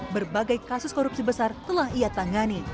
berbagai kasus korupsi besar telah ia tangani